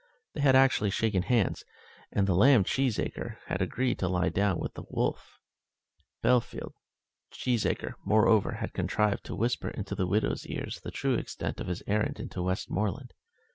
They had actually shaken hands, and the lamb Cheesacre had agreed to lie down with the wolf Bellfield. Cheesacre, moreover, had contrived to whisper into the widow's ears the true extent of his errand into Westmoreland.